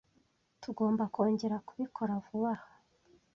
Tugomba kongera kubikora vuba aha.